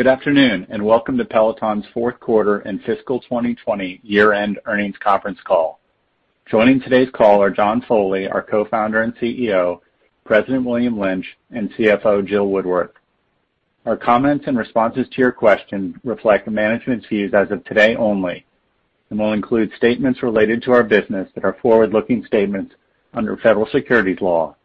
Good afternoon, welcome to Peloton's Fourth Quarter and Fiscal 2020 Year End Earnings Conference Call. Joining today's call are John Foley, our Co-Founder and CEO, President William Lynch, and CFO Jill Woodworth. Our comments and responses to your questions reflect management's views as of today only and will include statements related to our business that are forward-looking statements under federal securities law.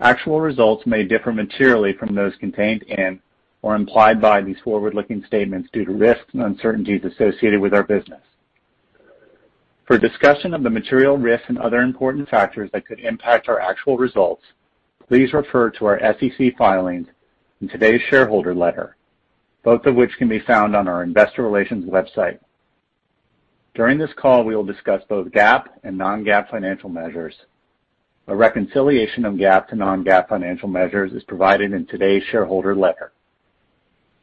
Actual results may differ materially from those contained in or implied by these forward-looking statements due to risks and uncertainties associated with our business. For a discussion of the material risks and other important factors that could impact our actual results, please refer to our SEC filings and today's shareholder letter, both of which can be found on our investor relations website. During this call, we will discuss both GAAP and non-GAAP financial measures. A reconciliation of GAAP to non-GAAP financial measures is provided in today's shareholder letter.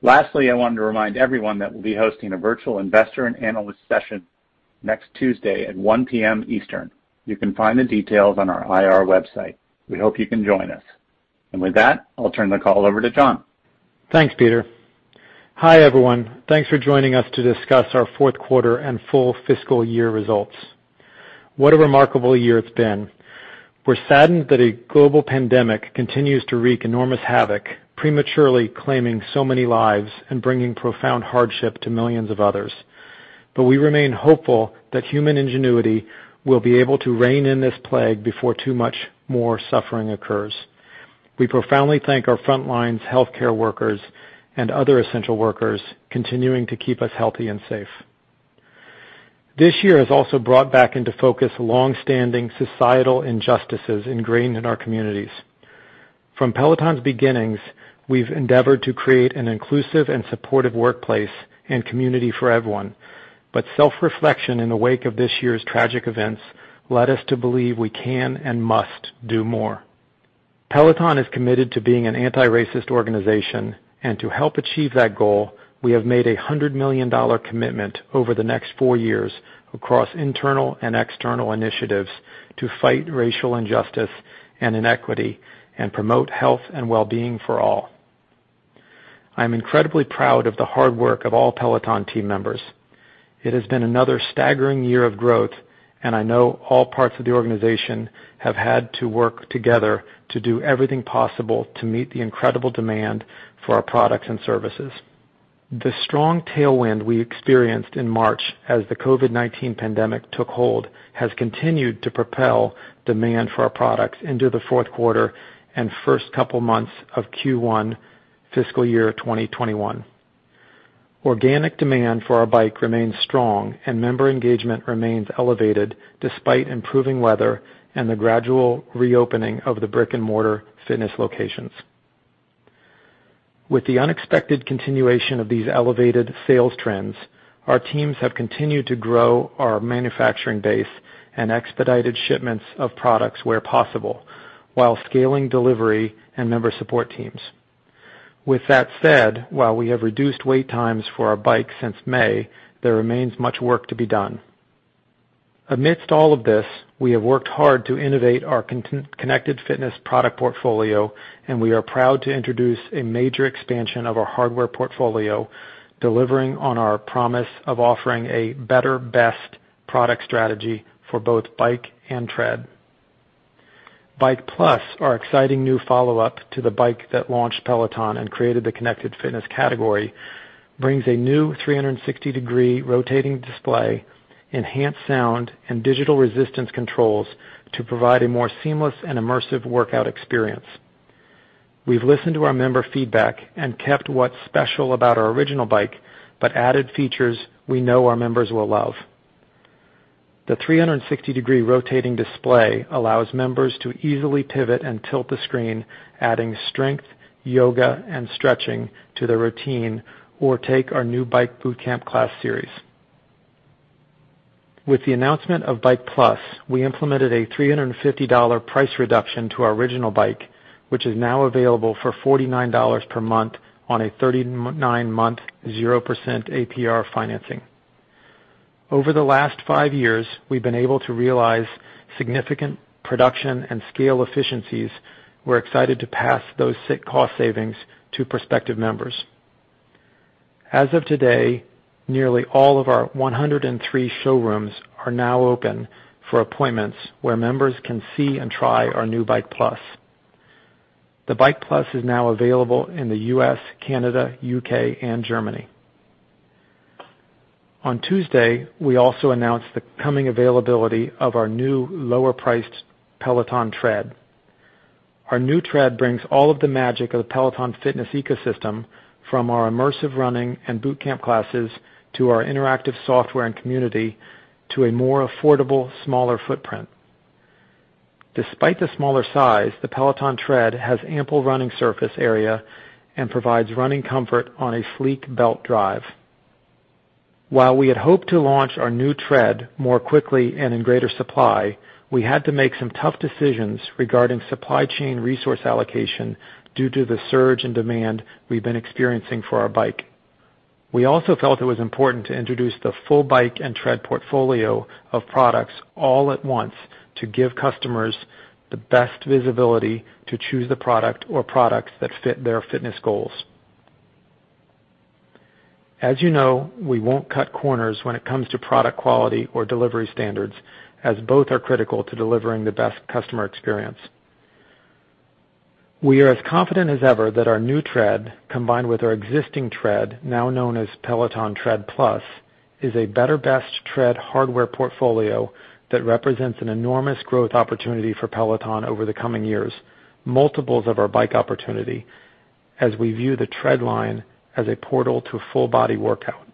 Lastly, I wanted to remind everyone that we'll be hosting a virtual investor and analyst session next Tuesday at 1:00 P.M. Eastern. You can find the details on our IR website. We hope you can join us. With that, I'll turn the call over to John. Thanks, Peter. Hi, everyone. Thanks for joining us to discuss our fourth quarter and full fiscal year results. What a remarkable year it's been. We're saddened that a global pandemic continues to wreak enormous havoc, prematurely claiming so many lives and bringing profound hardship to millions of others. We remain hopeful that human ingenuity will be able to rein in this plague before too much more suffering occurs. We profoundly thank our frontlines, healthcare workers, and other essential workers continuing to keep us healthy and safe. This year has also brought back into focus longstanding societal injustices ingrained in our communities. From Peloton's beginnings, we've endeavored to create an inclusive and supportive workplace and community for everyone. Self-reflection in the wake of this year's tragic events led us to believe we can and must do more. Peloton is committed to being an anti-racist organization, and to help achieve that goal, we have made a $100 million commitment over the next four years across internal and external initiatives to fight racial injustice and inequity and promote health and wellbeing for all. I'm incredibly proud of the hard work of all Peloton team members. It has been another staggering year of growth, and I know all parts of the organization have had to work together to do everything possible to meet the incredible demand for our products and services. The strong tailwind we experienced in March as the COVID-19 pandemic took hold has continued to propel demand for our products into the fourth quarter and first couple months of Q1 fiscal year 2021. Organic demand for our bike remains strong, and member engagement remains elevated despite improving weather and the gradual reopening of the brick-and-mortar fitness locations. With the unexpected continuation of these elevated sales trends, our teams have continued to grow our manufacturing base and expedited shipments of products where possible while scaling delivery and member support teams. With that said, while we have reduced wait times for our bikes since May, there remains much work to be done. Amidst all of this, we have worked hard to innovate our Connected Fitness product portfolio, and we are proud to introduce a major expansion of our hardware portfolio, delivering on our promise of offering a better, best product strategy for both Bike and Tread. Bike+, our exciting new follow-up to the Bike that launched Peloton and created the Connected Fitness category, brings a new 360-degree rotating display, enhanced sound, and digital resistance controls to provide a more seamless and immersive workout experience. We've listened to our member feedback and kept what's special about our original Bike, but added features we know our members will love. The 360-degree rotating display allows members to easily pivot and tilt the screen, adding strength, yoga, and stretching to their routine, or take our new Bike Bootcamp class series. With the announcement of Bike+, we implemented a $350 price reduction to our original Bike, which is now available for $49 per month on a 39-month, 0% APR financing. Over the last five years, we've been able to realize significant production and scale efficiencies. We're excited to pass those cost savings to prospective members. As of today, nearly all of our 103 showrooms are now open for appointments where members can see and try our new Bike+. The Bike+ is now available in the U.S., Canada, U.K., and Germany. On Tuesday, we also announced the coming availability of our new lower-priced Peloton Tread. Our new Tread brings all of the magic of the Peloton fitness ecosystem, from our immersive running and Bootcamp classes to our interactive software and community, to a more affordable, smaller footprint. Despite the smaller size, the Peloton Tread has ample running surface area and provides running comfort on a sleek belt drive. While we had hoped to launch our new Tread more quickly and in greater supply, we had to make some tough decisions regarding supply chain resource allocation due to the surge in demand we've been experiencing for our Bike. We also felt it was important to introduce the full Bike and Tread portfolio of products all at once to give customers the best visibility to choose the product or products that fit their fitness goals. As you know, we won't cut corners when it comes to product quality or delivery standards, as both are critical to delivering the best customer experience. We are as confident as ever that our new Tread, combined with our existing Tread, now known as Peloton Tread+, is a better best Tread hardware portfolio that represents an enormous growth opportunity for Peloton over the coming years, multiples of our bike opportunity, as we view the Tread line as a portal to a full-body workout.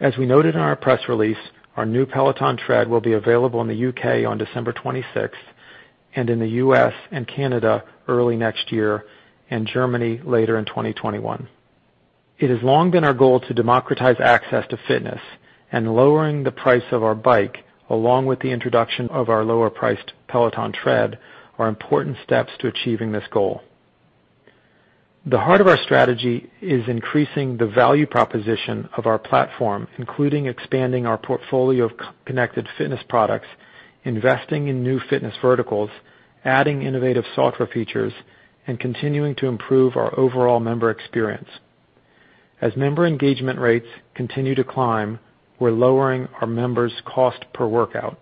As we noted in our press release, our new Peloton Tread will be available in the U.K. on December 26th and in the U.S. and Canada early next year, and Germany later in 2021. It has long been our goal to democratize access to fitness, lowering the price of our bike, along with the introduction of our lower-priced Peloton Tread, are important steps to achieving this goal. The heart of our strategy is increasing the value proposition of our platform, including expanding our portfolio of Connected Fitness products, investing in new fitness verticals, adding innovative software features, and continuing to improve our overall member experience. As member engagement rates continue to climb, we're lowering our members' cost per workout.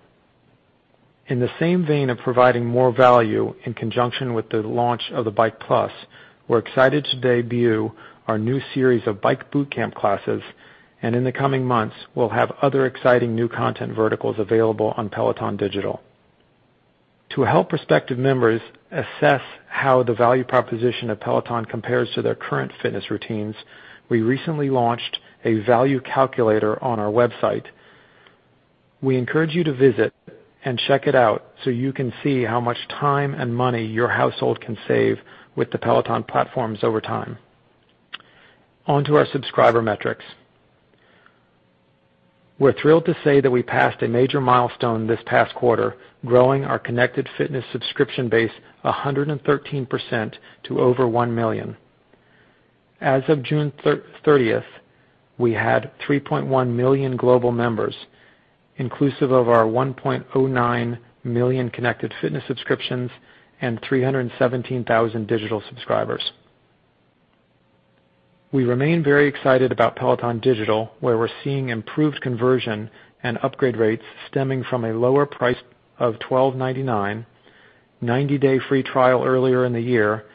In the same vein of providing more value in conjunction with the launch of the Bike+, we're excited to debut our new series of Bike Bootcamp classes, in the coming months, we'll have other exciting new content verticals available on Peloton Digital. To help prospective members assess how the value proposition of Peloton compares to their current fitness routines, we recently launched a value calculator on our website. We encourage you to visit and check it out so you can see how much time and money your household can save with the Peloton platforms over time. On to our subscriber metrics. We're thrilled to say that we passed a major milestone this past quarter, growing Connected Fitness Subscription base 113% to over 1 million. As of June 30th, we had 3.1 million global members, inclusive of our 1.09 million Connected Fitness Subscriptions and 317,000 digital subscribers. We remain very excited about Peloton Digital, where we're seeing improved conversion and upgrade rates stemming from a lower price of $12.99, 90-day free trial earlier in the year,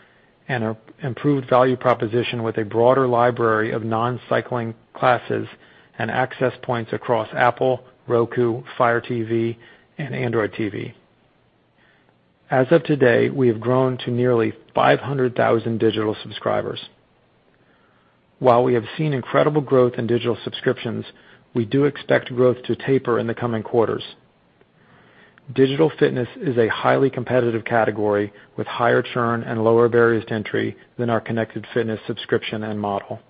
and an improved value proposition with a broader library of non-cycling classes and access points across Apple, Roku, Fire TV, and Android TV. As of today, we have grown to nearly 500,000 digital subscribers. While we have seen incredible growth in digital subscriptions, we do expect growth to taper in the coming quarters. Digital fitness is a highly competitive category with higher churn and lower barriers to entry than Connected Fitness Subscription and model.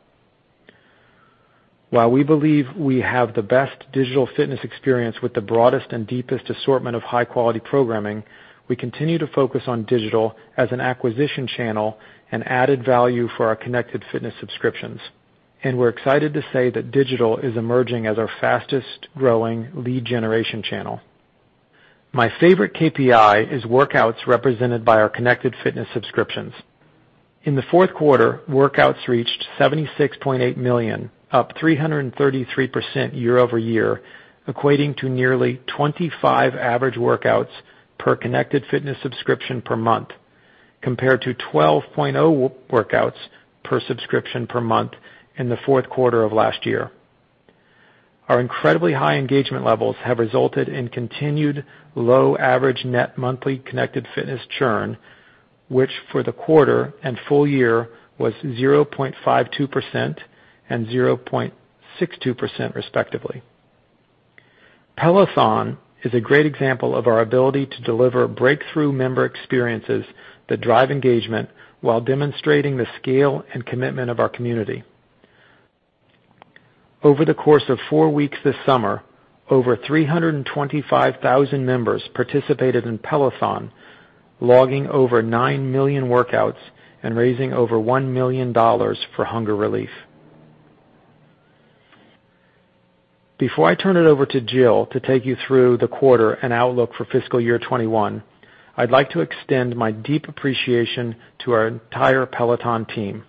While we believe we have the best digital fitness experience with the broadest and deepest assortment of high-quality programming, we continue to focus on Digital as an acquisition channel and added value for our Connected Fitness Subscriptions. We're excited to say that Digital is emerging as our fastest-growing lead generation channel. My favorite KPI is workouts represented by Connected Fitness Subscriptions. in the fourth quarter, workouts reached 76.8 million, up 333% year-over-year, equating to nearly 25 average workouts Connected Fitness Subscription per month, compared to 12.0 workouts per subscription per month in the fourth quarter of last year. Our incredibly high engagement levels have resulted in continued low average net monthly Connected Fitness churn, which for the quarter and full year was 0.52% and 0.62%, respectively. Peloton is a great example of our ability to deliver breakthrough member experiences that drive engagement while demonstrating the scale and commitment of our community. Over the course of four weeks this summer, over 325,000 members participated in Peloton, logging over 9 million workouts and raising over $1 million for hunger relief. Before I turn it over to Jill to take you through the quarter and outlook for fiscal year 2021, I'd like to extend my deep appreciation to our entire Peloton team.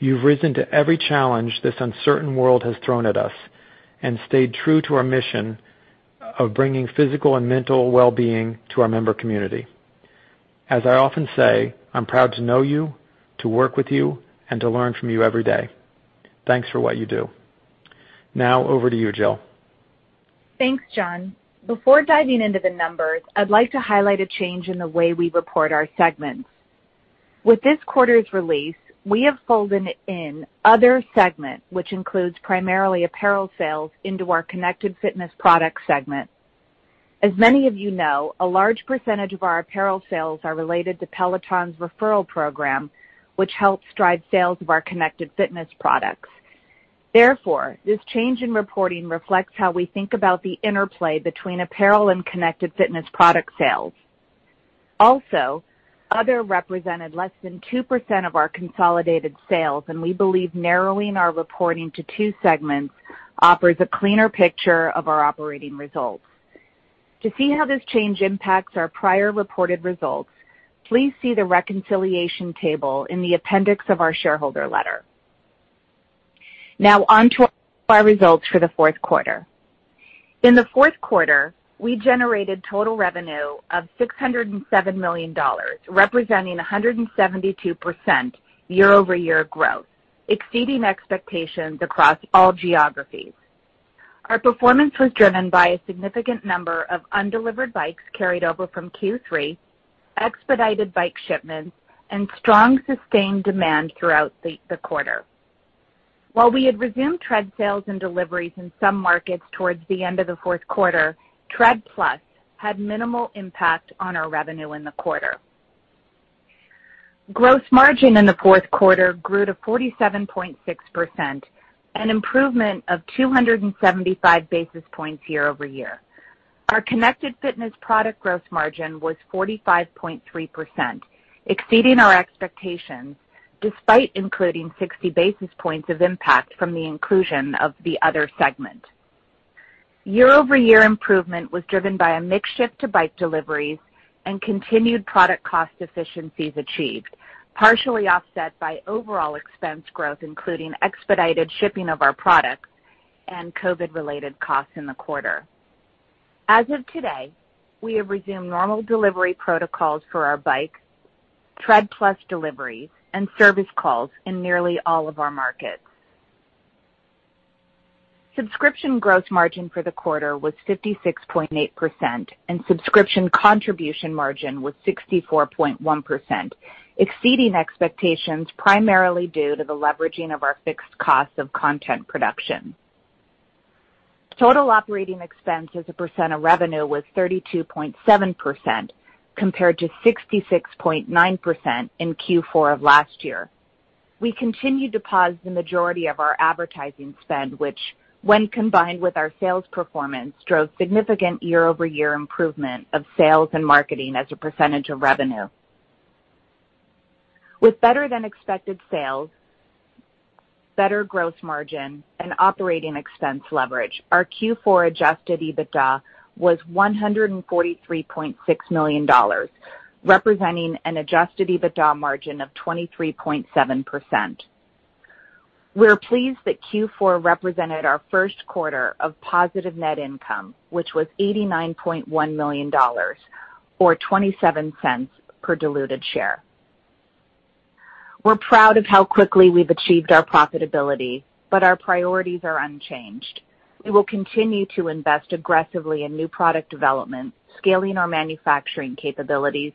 You've risen to every challenge this uncertain world has thrown at us and stayed true to our mission of bringing physical and mental wellbeing to our member community. As I often say, I'm proud to know you, to work with you, and to learn from you every day. Thanks for what you do. Now over to you, Jill. Thanks, John. Before diving into the numbers, I'd like to highlight a change in the way we report our segments. With this quarter's release, we have folded in other segment, which includes primarily Apparel sales, into Connected Fitness products segment. As many of you know, a large percentage of our Apparel sales are related to Peloton's Referral program, which helps drive sales of Connected Fitness products. This change in reporting reflects how we think about the interplay between Apparel Connected Fitness products sales. Other represented less than 2% of our consolidated sales, and we believe narrowing our reporting to two segments offers a cleaner picture of our operating results. To see how this change impacts our prior reported results, please see the reconciliation table in the appendix of our shareholder letter. On to our results for the fourth quarter. In the fourth quarter, we generated total revenue of $607 million, representing 172% year-over-year growth, exceeding expectations across all geographies. Our performance was driven by a significant number of undelivered bikes carried over from Q3, expedited bike shipments, and strong, sustained demand throughout the quarter. While we had resumed Tread sales and deliveries in some markets towards the end of the fourth quarter, Tread+ had minimal impact on our revenue in the quarter. Gross margin in the fourth quarter grew to 47.6%, an improvement of 275 basis points year-over-year. Our Connected Fitness Product gross margin was 45.3%, exceeding our expectations, despite including 60 basis points of impact from the inclusion of the other segment. Year-over-year improvement was driven by a mix shift to bike deliveries and continued product cost efficiencies achieved, partially offset by overall expense growth, including expedited shipping of our products and COVID-related costs in the quarter. As of today, we have resumed normal delivery protocols for our bikes, Tread+ deliveries, and service calls in nearly all of our markets. Subscription gross margin for the quarter was 56.8%, and subscription contribution margin was 64.1%, exceeding expectations primarily due to the leveraging of our fixed costs of content production. Total operating expense as a percent of revenue was 32.7%, compared to 66.9% in Q4 of last year. We continued to pause the majority of our advertising spend, which, when combined with our sales performance, drove significant year-over-year improvement of sales and marketing as a percentage of revenue. With better than expected sales, better gross margin, and operating expense leverage, our Q4 adjusted EBITDA was $143.6 million, representing an adjusted EBITDA margin of 23.7%. We're pleased that Q4 represented our first quarter of positive net income, which was $89.1 million, or $0.27 per diluted share. We're proud of how quickly we've achieved our profitability, but our priorities are unchanged. We will continue to invest aggressively in new product development, scaling our manufacturing capabilities,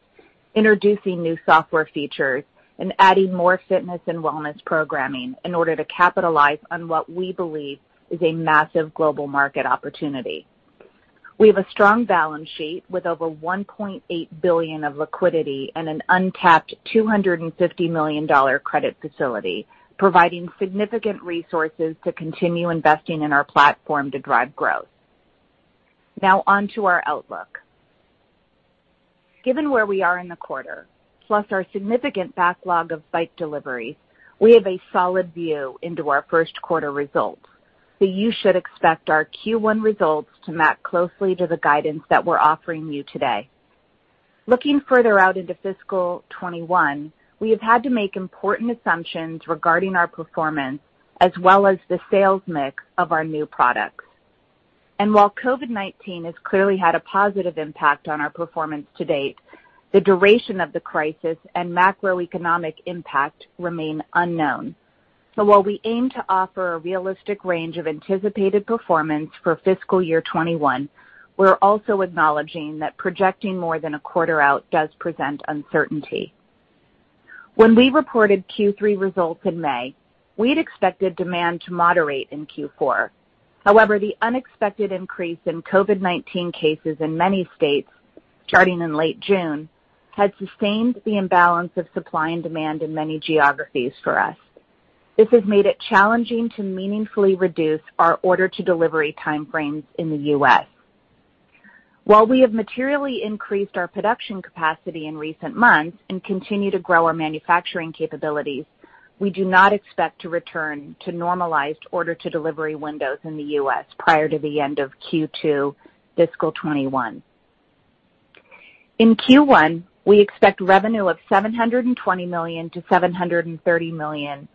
introducing new software features, and adding more fitness and wellness programming in order to capitalize on what we believe is a massive global market opportunity. We have a strong balance sheet with over $1.8 billion of liquidity and an untapped $250 million credit facility, providing significant resources to continue investing in our platform to drive growth. Now on to our outlook. Given where we are in the quarter, plus our significant backlog of bike deliveries, we have a solid view into our first quarter results, you should expect our Q1 results to map closely to the guidance that we're offering you today. Looking further out into fiscal 2021, we have had to make important assumptions regarding our performance as well as the sales mix of our new products. While COVID-19 has clearly had a positive impact on our performance to date, the duration of the crisis and macroeconomic impact remain unknown. While we aim to offer a realistic range of anticipated performance for fiscal year 2021, we're also acknowledging that projecting more than a quarter out does present uncertainty. When we reported Q3 results in May, we'd expected demand to moderate in Q4. However, the unexpected increase in COVID-19 cases in many states starting in late June has sustained the imbalance of supply and demand in many geographies for us. This has made it challenging to meaningfully reduce our order-to-delivery time frames in the U.S. While we have materially increased our production capacity in recent months and continue to grow our manufacturing capabilities, we do not expect to return to normalized order-to-delivery windows in the U.S. prior to the end of Q2 fiscal 2021. In Q1, we expect revenue of $720 million-$730 million,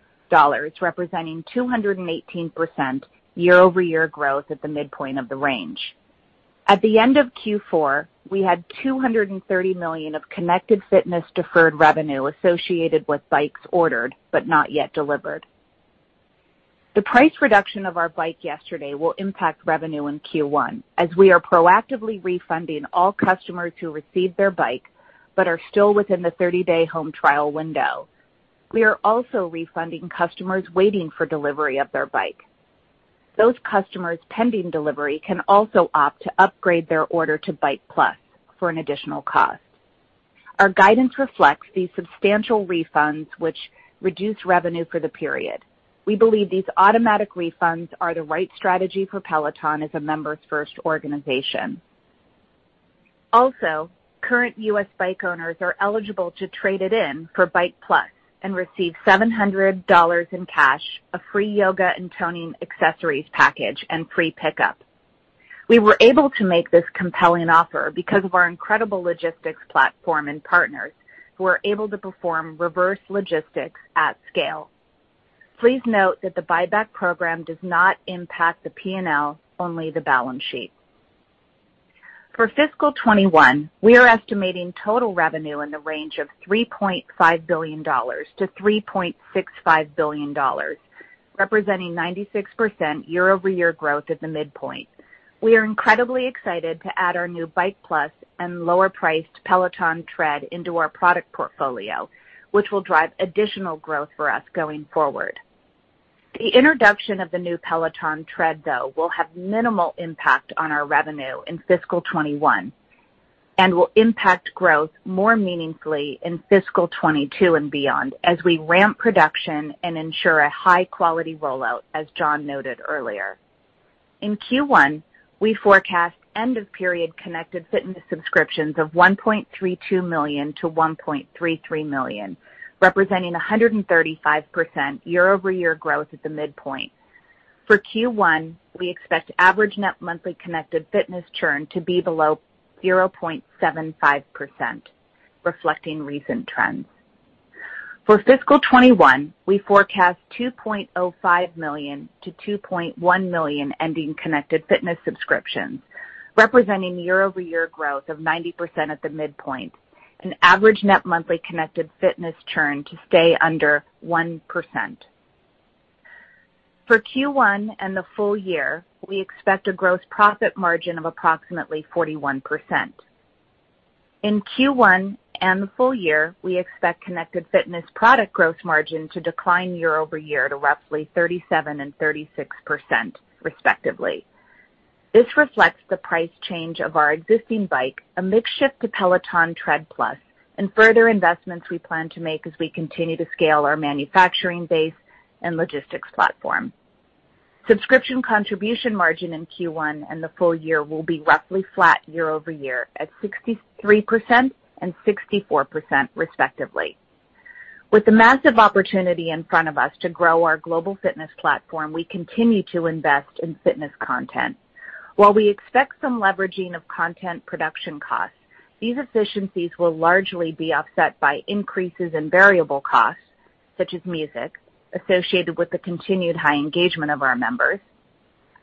representing 218% year-over-year growth at the midpoint of the range. At the end of Q4, we had $230 million of Connected Fitness deferred revenue associated with bikes ordered, but not yet delivered. The price reduction of our Bike yesterday will impact revenue in Q1, as we are proactively refunding all customers who received their Bike but are still within the 30-day home trial window. We are also refunding customers waiting for delivery of their Bike. Those customers pending delivery can also opt to upgrade their order to Bike+ for an additional cost. Our guidance reflects these substantial refunds, which reduce revenue for the period. We believe these automatic refunds are the right strategy for Peloton as a members first organization. Current US Bike owners are eligible to trade it in for Bike+ and receive $700 in cash, a free yoga and toning accessories package, and free pickup. We were able to make this compelling offer because of our incredible logistics platform and partners, who are able to perform reverse logistics at scale. Please note that the buyback program does not impact the P&L, only the balance sheet. For fiscal 2021, we are estimating total revenue in the range of $3.5 billion-$3.65 billion, representing 96% year-over-year growth at the midpoint. We are incredibly excited to add our new Bike+ and lower priced Peloton Tread into our product portfolio, which will drive additional growth for us going forward. The introduction of the new Peloton Tread, though, will have minimal impact on our revenue in fiscal 2021, and will impact growth more meaningfully in fiscal 2022 and beyond as we ramp production and ensure a high quality rollout, as John noted earlier. In Q1, we forecast end of Connected Fitness Subscriptions of 1.32 million-1.33 million, representing 135% year-over-year growth at the midpoint. For Q1, we expect average net monthly Connected Fitness churn to be below 0.75%, reflecting recent trends. For fiscal 2021, we forecast 2.05 million-2.1 million Connected Fitness Subscriptions, representing year-over-year growth of 90% at the midpoint. An average net monthly Connected Fitness churn to stay under 1%. For Q1 and the full year, we expect a gross profit margin of approximately 41%. In Q1 and the full year, we expect Connected Fitness product gross margin to decline year-over-year to roughly 37% and 36%, respectively. This reflects the price change of our existing bike, a mix shift to Peloton Tread+, and further investments we plan to make as we continue to scale our manufacturing base and logistics platform. Subscription contribution margin in Q1 and the full year will be roughly flat year-over-year at 63% and 64%, respectively. With the massive opportunity in front of us to grow our global fitness platform, we continue to invest in fitness content. While we expect some leveraging of content production costs, these efficiencies will largely be offset by increases in variable costs, such as music, associated with the continued high engagement of our members,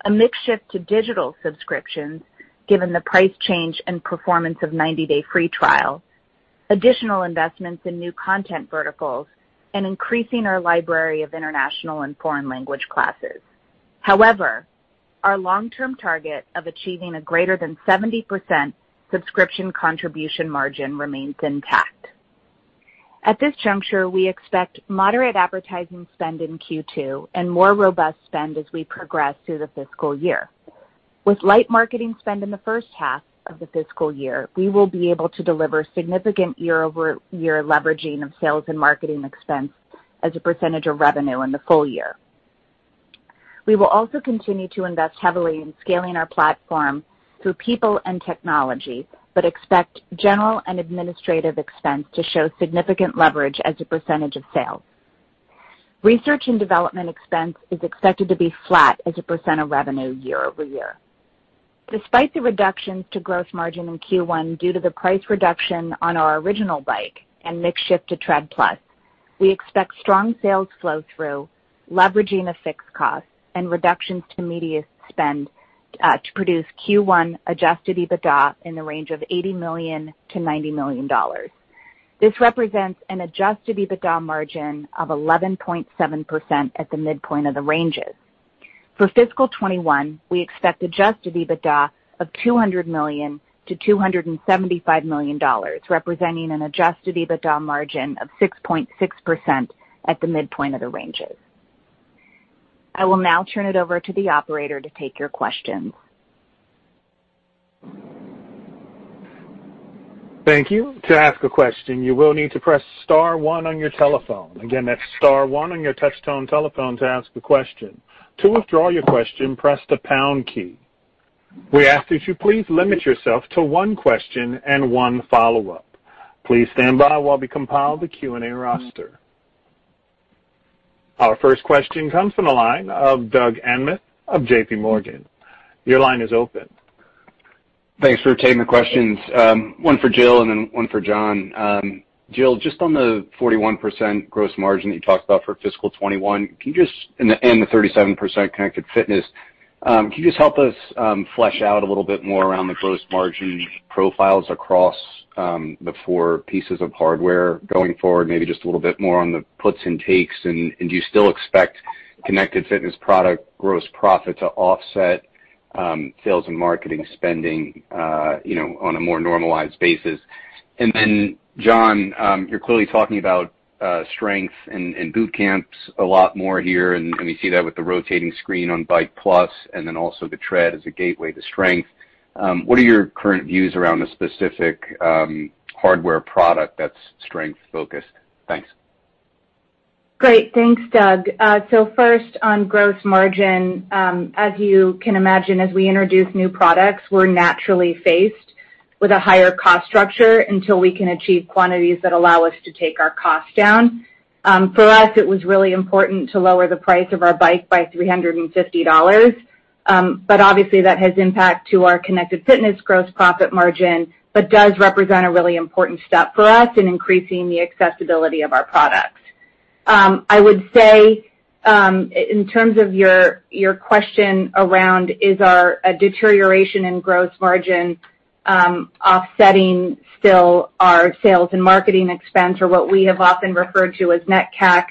a mix shift to digital subscriptions given the price change and performance of 90-day free trials, additional investments in new content verticals, and increasing our library of international and foreign language classes. However, our long-term target of achieving a greater than 70% subscription contribution margin remains intact. At this juncture, we expect moderate advertising spend in Q2 and more robust spend as we progress through the fiscal year. With light marketing spend in the first half of the fiscal year, we will be able to deliver significant year-over-year leveraging of sales and marketing expense as a percentage of revenue in the full year. We will also continue to invest heavily in scaling our platform through people and technology, but expect general and administrative expense to show significant leverage as a percentage of sales. Research and development expense is expected to be flat as a percent of revenue year-over-year. Despite the reductions to gross margin in Q1 due to the price reduction on our original Bike and mix shift to Tread+, we expect strong sales flow through, leveraging of fixed costs, and reductions to media spend to produce Q1 adjusted EBITDA in the range of $80 million-$90 million. This represents an adjusted EBITDA margin of 11.7% at the midpoint of the ranges. For fiscal 2021, we expect adjusted EBITDA of $200 million-$275 million, representing an adjusted EBITDA margin of 6.6% at the midpoint of the ranges. I will now turn it over to the operator to take your questions. Thank you. To ask a question, you will need to press star one on your telephone. Again, that's star one on your touch tone telephone to ask a question. To withdraw your question, press the pound key. We ask that you please limit yourself to one question and one follow-up. Please stand by while we compile the Q&A roster. Our first question comes from the line of Doug Anmuth of JP Morgan. Your line is open. Thanks for taking the questions. One for Jill and then one for John. Jill, just on the 41% gross margin that you talked about for fiscal 2021, and the 37% Connected Fitness, can you just help us flesh out a little bit more around the gross margin profiles across the four pieces of hardware going forward, maybe just a little bit more on the puts and takes, and do you still expect Connected Fitness product gross profit to offset sales and marketing spending on a more normalized basis? Then John, you're clearly talking about strength in Bootcamps a lot more here, and we see that with the rotating screen on Bike+, and then also the Tread as a gateway to strength. What are your current views around the specific hardware product that's strength focused? Thanks. Great. Thanks, Doug. First, on gross margin, as you can imagine, as we introduce new products, we're naturally faced with a higher cost structure until we can achieve quantities that allow us to take our cost down. For us, it was really important to lower the price of our bike by $350. Obviously, that has impact to our Connected Fitness gross profit margin, but does represent a really important step for us in increasing the accessibility of our products. I would say, in terms of your question around, is our deterioration in gross margin offsetting still our sales and marketing expense or what we have often referred to as net CAC?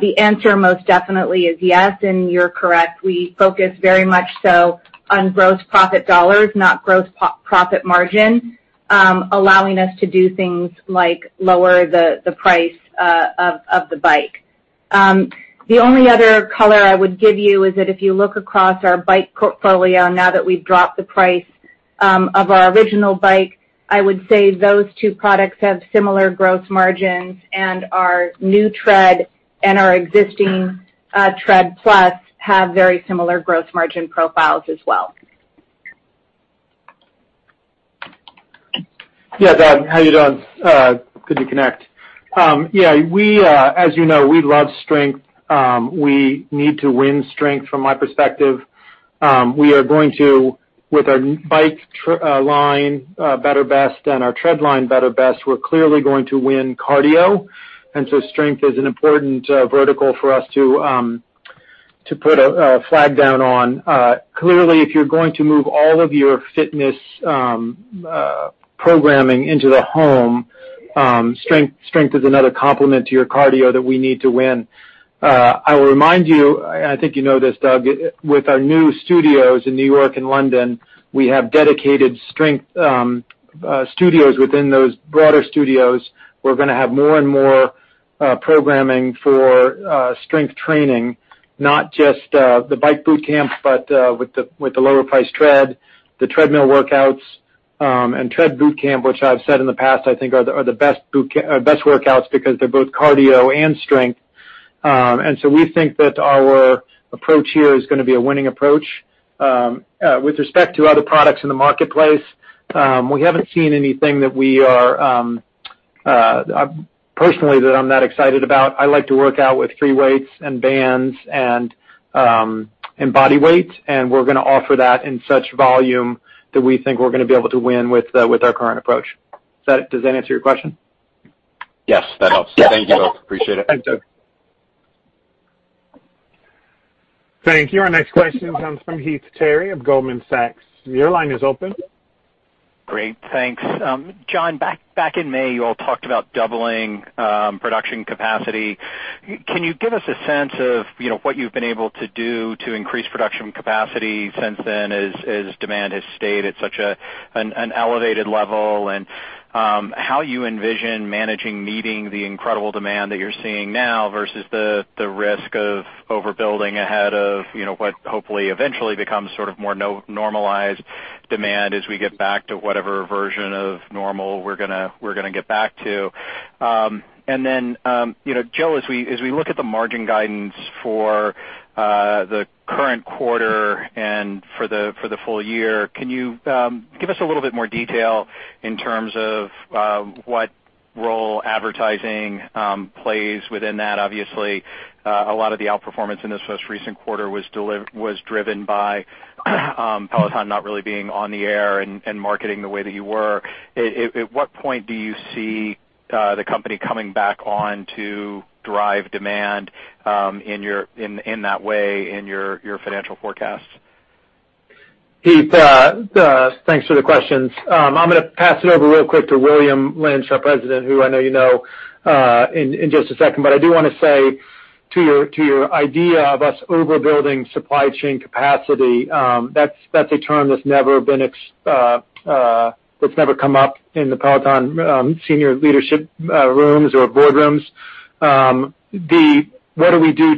The answer most definitely is yes, and you're correct. We focus very much so on gross profit dollars, not gross profit margin, allowing us to do things like lower the price of the bike. The only other color I would give you is that if you look across our bike portfolio now that we've dropped the price of our original bike, I would say those two products have similar gross margins, and our new Tread and our existing Tread+ have very similar gross margin profiles as well. Doug, how you doing? Good to connect. As you know, we love strength. We need to win strength from my perspective. We are going to, with our bike line better best and our Tread line better best, we're clearly going to win cardio. Strength is an important vertical for us to put a flag down on. Clearly, if you're going to move all of your fitness programming into the home, strength is another complement to your cardio that we need to win. I will remind you, I think you know this, Doug, with our new studios in New York and London, we have dedicated strength studios within those broader studios. We're going to have more and more programming for strength training, not just the Bike Bootcamp, but with the lower priced Tread, the treadmill workouts, and Tread Bootcamp, which I've said in the past, I think are the best workouts because they're both cardio and strength. We think that our approach here is going to be a winning approach. With respect to other products in the marketplace, we haven't seen anything that personally, that I'm that excited about. I like to work out with free weights and bands and body weight, and we're going to offer that in such volume that we think we're going to be able to win with our current approach. Does that answer your question? Yes, that helps. Thank you both. Appreciate it. Thanks, Doug. Thank you. Our next question comes from Heath Terry of Goldman Sachs. Your line is open. Great. Thanks. John, back in May, you all talked about doubling production capacity. Can you give us a sense of what you've been able to do to increase production capacity since then, as demand has stayed at such an elevated level, and how you envision managing meeting the incredible demand that you're seeing now versus the risk of overbuilding ahead of what hopefully eventually becomes sort of more normalized demand as we get back to whatever version of normal we're going to get back to. Jill, as we look at the margin guidance for the current quarter and for the full year, can you give us a little bit more detail in terms of what role advertising plays within that? Obviously, a lot of the outperformance in this most recent quarter was driven by Peloton not really being on the air and marketing the way that you were. At what point do you see the company coming back on to drive demand in that way in your financial forecasts? Heath, thanks for the questions. I'm going to pass it over real quick to William Lynch, our president, who I know you know, in just a second. I do want to say to your idea of us overbuilding supply chain capacity, that's a term that's never come up in the Peloton senior leadership rooms or boardrooms. The what do we do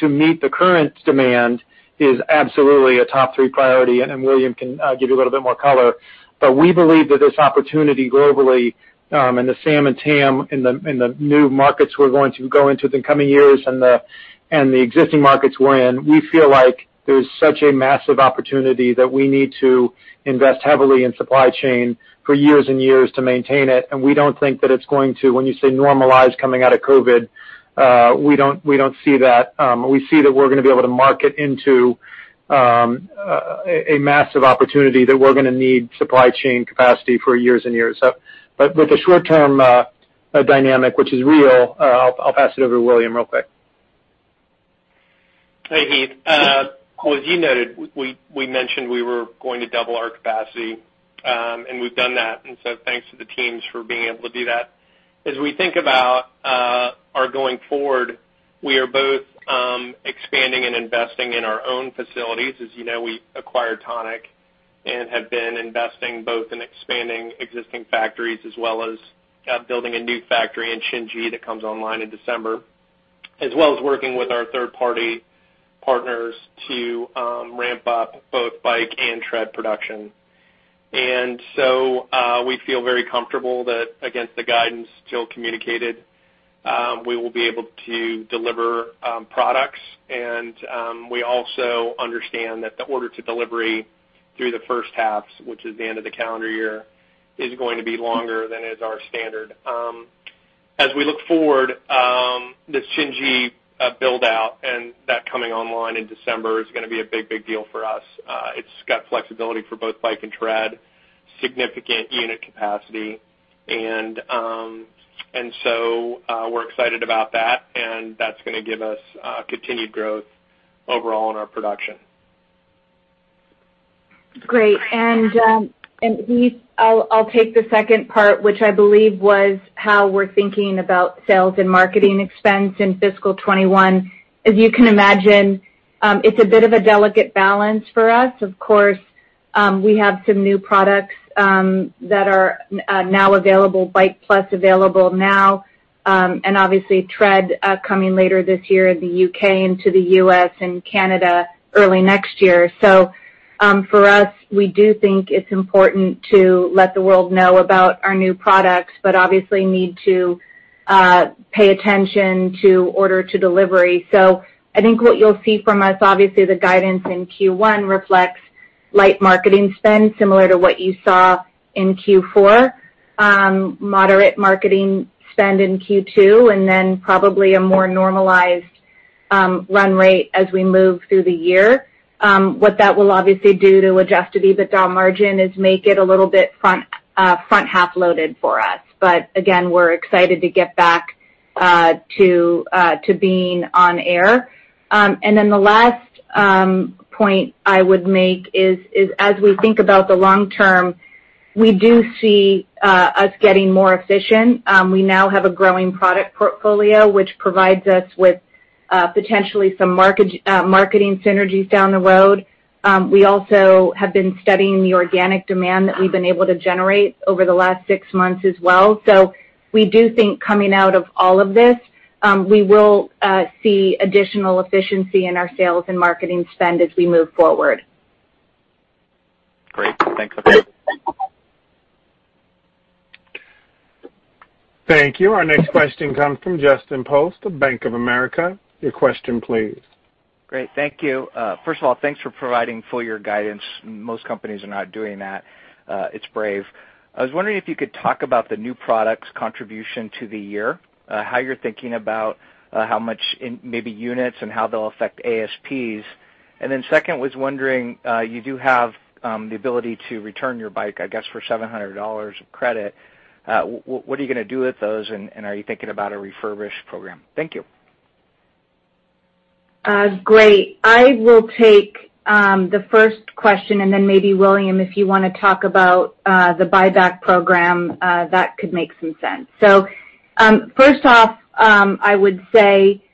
to meet the current demand is absolutely a top three priority, and William can give you a little bit more color. We believe that this opportunity globally, and the SAM and TAM in the new markets we're going to go into in the coming years and the existing markets we're in, we feel like there's such a massive opportunity that we need to invest heavily in supply chain for years and years to maintain it. We don't think that when you say normalize coming out of COVID, we don't see that. We see that we're going to be able to market into a massive opportunity that we're going to need supply chain capacity for years and years. With the short-term dynamic, which is real, I'll pass it over to William real quick. Hey, Heath. As you noted, we mentioned we were going to double our capacity, we've done that. Thanks to the teams for being able to do that. As we think about our going forward, we are both expanding and investing in our own facilities. As you know, we acquired Tonic and have been investing both in expanding existing factories as well as building a new factory in Shenji that comes online in December, as well as working with our third-party partners to ramp up both Bike and Tread production. We feel very comfortable that against the guidance Jill communicated, we will be able to deliver products. We also understand that the order to delivery through the first half, which is the end of the calendar year, is going to be longer than is our standard. As we look forward, the Shenji build-out and that coming online in December is going to be a big deal for us. It's got flexibility for both Bike and Tread, significant unit capacity. We're excited about that, and that's going to give us continued growth overall in our production. Great. Heath, I'll take the second part, which I believe was how we're thinking about sales and marketing expense in fiscal 2021. As you can imagine, it's a bit of a delicate balance for us. Of course, we have some new products that are now available, Bike+ available now, and obviously Tread coming later this year in the U.K. and to the U.S. and Canada early next year. For us, we do think it's important to let the world know about our new products, but obviously need to pay attention to order to delivery. I think what you'll see from us, obviously the guidance in Q1 reflects light marketing spend, similar to what you saw in Q4. Moderate marketing spend in Q2, and then probably a more normalized run rate as we move through the year. What that will obviously do to adjust EBITDA margin is make it a little bit front-half loaded for us. Again, we're excited to get back to being on air. The last point I would make is, as we think about the long term, we do see us getting more efficient. We now have a growing product portfolio, which provides us with potentially some marketing synergies down the road. We also have been studying the organic demand that we've been able to generate over the last six months as well. We do think coming out of all of this, we will see additional efficiency in our sales and marketing spend as we move forward. Great. Thanks. Thank you. Our next question comes from Justin Post of Bank of America. Your question please. Great. Thank you. First of all, thanks for providing full-year guidance. Most companies are not doing that. It's brave. I was wondering if you could talk about the new products' contribution to the year, how you're thinking about how much in maybe units and how they'll affect ASPs. Second, was wondering, you do have the ability to return your Bike, I guess for $700 of credit. What are you going to do with those, and are you thinking about a refurbished program? Thank you. Great. I will take the first question, and then maybe William, if you want to talk about the buyback program, that could make some sense. First off, I would say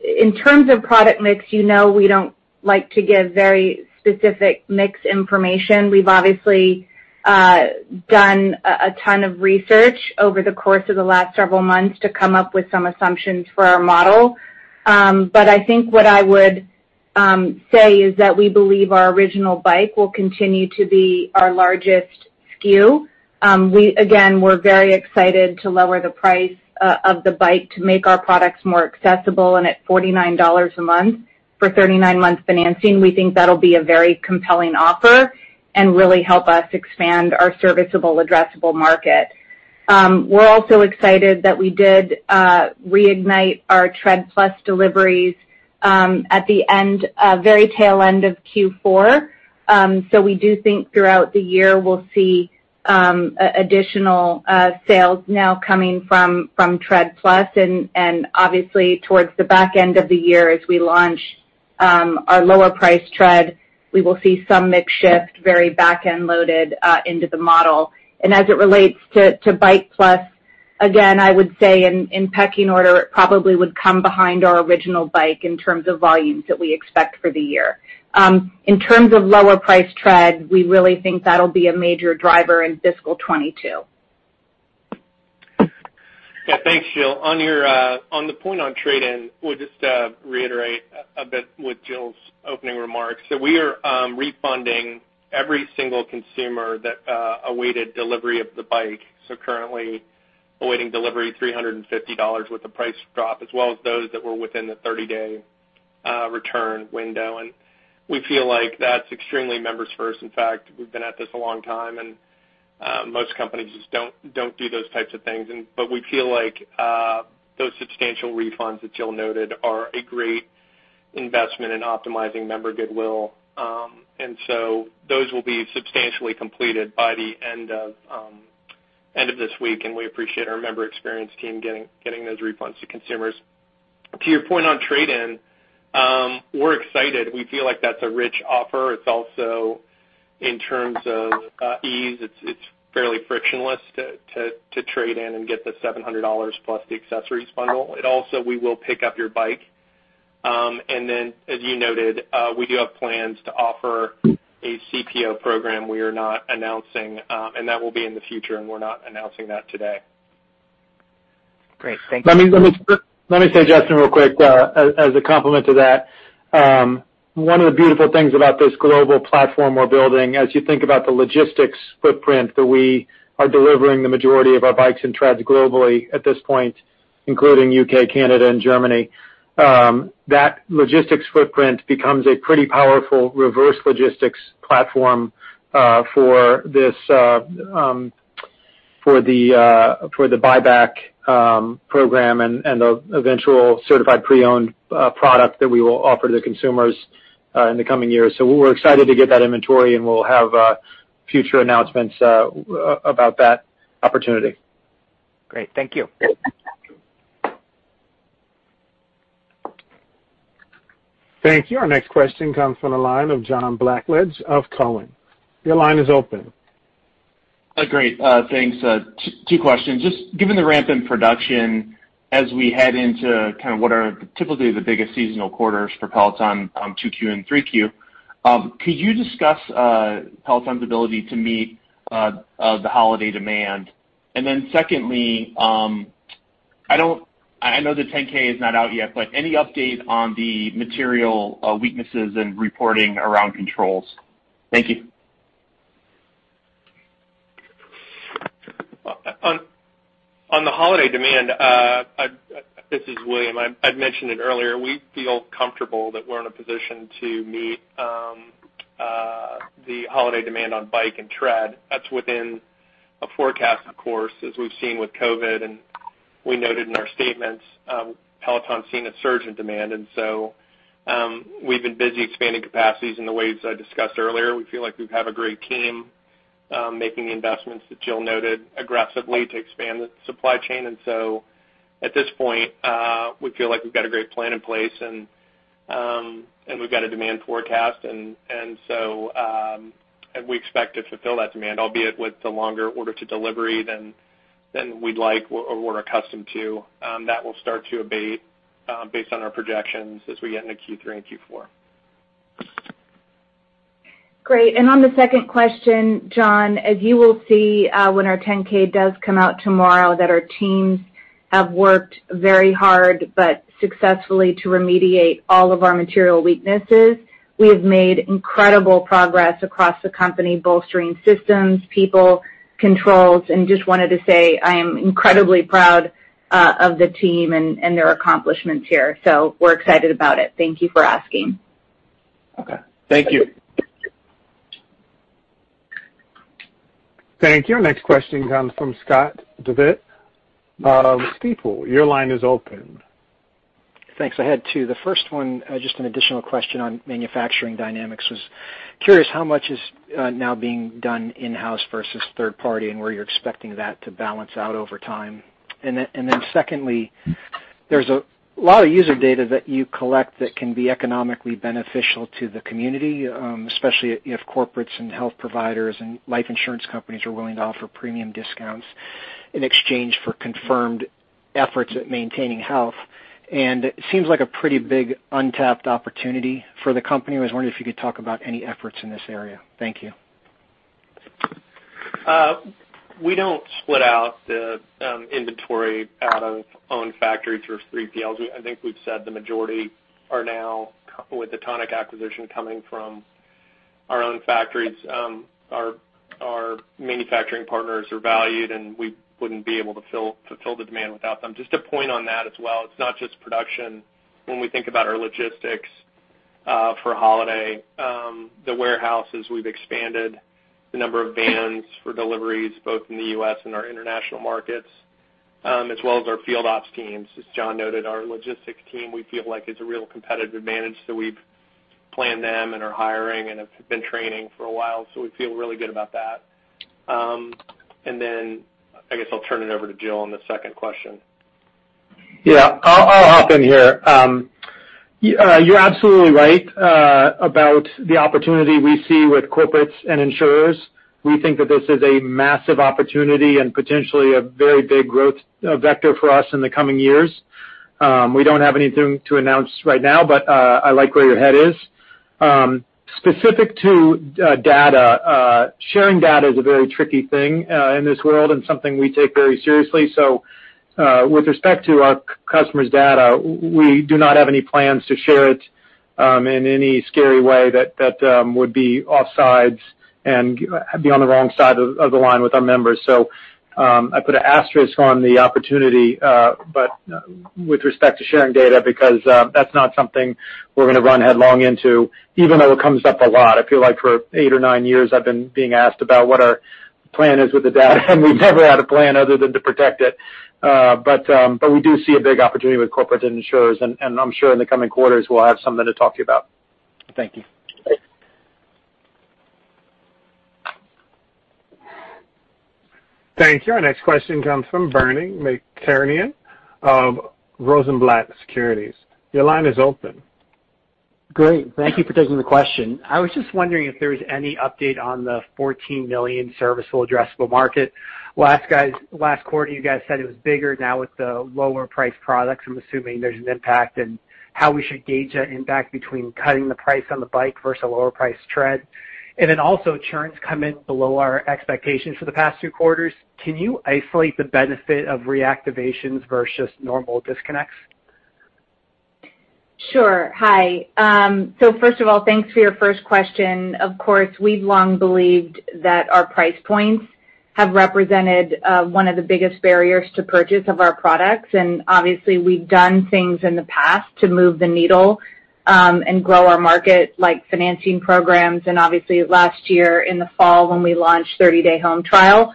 in terms of product mix, you know, we don't like to give very specific mix information. We've obviously done a ton of research over the course of the last several months to come up with some assumptions for our model. I think what I would say is that we believe our original Bike will continue to be our largest SKU. Again, we're very excited to lower the price of the Bike to make our products more accessible and at $49 a month for 39 months financing, we think that'll be a very compelling offer and really help us expand our serviceable addressable market. We're also excited that we did reignite our Tread+ deliveries at the very tail end of Q4. We do think throughout the year we'll see additional sales now coming from Tread+. Obviously towards the back end of the year as we launch our lower-priced Tread, we will see some mix shift very back-end loaded into the model. As it relates to Bike+, again, I would say in pecking order, it probably would come behind our original Bike in terms of volumes that we expect for the year. In terms of lower-priced Tread, we really think that'll be a major driver in fiscal 2022. Yeah. Thanks, Jill. On the point on trade-in, we'll just reiterate a bit with Jill's opening remarks. We are refunding every single consumer that awaited delivery of the Bike. Currently awaiting delivery $350 with the price drop, as well as those that were within the 30-day return window. We feel like that's extremely members first. In fact, we've been at this a long time, and most companies just don't do those types of things. We feel like those substantial refunds that Jill noted are a great investment in optimizing member goodwill. Those will be substantially completed by the end of this week, and we appreciate our member experience team getting those refunds to consumers. To your point on trade-in, we're excited. We feel like that's a rich offer. It's also in terms of ease, it's fairly frictionless to trade in and get the $700 plus the accessories bundle. Also we will pick up your Bike. Then as you noted, we do have plans to offer a CPO program. That will be in the future, and we're not announcing that today. Great. Thank you. Let me say, Justin, real quick, as a complement to that. One of the beautiful things about this global platform we're building, as you think about the logistics footprint that we are delivering the majority of our bikes and treads globally at this point, including U.K., Canada and Germany. That logistics footprint becomes a pretty powerful reverse logistics platform for the buyback program and the eventual certified pre-owned product that we will offer to consumers in the coming years. We're excited to get that inventory and we'll have future announcements about that opportunity. Great. Thank you. Thank you. Our next question comes from the line of John Blackledge of Cowen. Your line is open. Great, thanks. Two questions. Just given the ramp in production as we head into kind of what are typically the biggest seasonal quarters for Peloton, 2Q and 3Q, could you discuss Peloton's ability to meet the holiday demand? Secondly, I know the 10-K is not out yet, but any update on the material weaknesses and reporting around controls? Thank you. On the holiday demand, this is William. I'd mentioned it earlier, we feel comfortable that we're in a position to meet the holiday demand on bike and tread. That's within a forecast, of course, as we've seen with COVID, and we noted in our statements, Peloton's seen a surge in demand. We've been busy expanding capacities in the ways I discussed earlier. We feel like we have a great team, making the investments that Jill noted aggressively to expand the supply chain. At this point, we feel like we've got a great plan in place and we've got a demand forecast. We expect to fulfill that demand, albeit with a longer order to delivery than we'd like or we're accustomed to. That will start to abate, based on our projections as we get into Q3 and Q4. Great. On the second question, John, as you will see when our 10-K does come out tomorrow, that our teams have worked very hard, but successfully to remediate all of our material weaknesses. We have made incredible progress across the company, bolstering systems, people, controls, and just wanted to say I am incredibly proud of the team and their accomplishments here. We're excited about it. Thank you for asking. Okay. Thank you. Thank you. Our next question comes from Scott Devitt of Stifel. Your line is open. Thanks. I had two. The first one, just an additional question on manufacturing dynamics was, curious how much is now being done in-house versus third-party and where you're expecting that to balance out over time? Secondly, there's a lot of user data that you collect that can be economically beneficial to the community, especially if corporates and health providers and life insurance companies are willing to offer premium discounts in exchange for confirmed efforts at maintaining health. It seems like a pretty big untapped opportunity for the company. I was wondering if you could talk about any efforts in this area. Thank you. We don't split out the inventory out of own factory through 3PLs. I think we've said the majority are now with the Tonic acquisition coming from our own factories. Our manufacturing partners are valued. We wouldn't be able to fulfill the demand without them. Just a point on that as well, it's not just production. When we think about our logistics for holiday, the warehouses, we've expanded the number of vans for deliveries both in the U.S. and our international markets, as well as our field ops teams. As John noted, our logistics team, we feel like is a real competitive advantage. We've planned them and are hiring and have been training for a while. We feel really good about that. I guess I'll turn it over to Jill on the second question. Yeah. I'll hop in here. You're absolutely right about the opportunity we see with corporates and insurers. We think that this is a massive opportunity and potentially a very big growth vector for us in the coming years. We don't have anything to announce right now, but I like where your head is. Specific to data, sharing data is a very tricky thing in this world and something we take very seriously. With respect to our customers' data, we do not have any plans to share it in any scary way that would be offsides and be on the wrong side of the line with our members. I put an asterisk on the opportunity, but with respect to sharing data, because that's not something we're going to run headlong into, even though it comes up a lot. I feel like for eight or nine years, I've been being asked about what our plan is with the data, and we've never had a plan other than to protect it. We do see a big opportunity with corporate insurers, and I'm sure in the coming quarters, we'll have something to talk to you about. Thank you. Thanks. Thank you. Our next question comes from Bernie McTernan of Rosenblatt Securities. Your line is open. Great. Thank you for taking the question. I was just wondering if there was any update on the 14 million service or addressable market. Last quarter, you guys said it was bigger. Now with the lower priced products, I'm assuming there's an impact and how we should gauge that impact between cutting the price on the Bike versus a lower priced Tread. Churns come in below our expectations for the past two quarters. Can you isolate the benefit of reactivations versus normal disconnects? Sure. Hi. First of all, thanks for your first question. Of course, we've long believed that our price points have represented one of the biggest barriers to purchase of our products. Obviously, we've done things in the past to move the needle and grow our market, like financing programs, obviously last year in the fall when we launched 30-day home trial.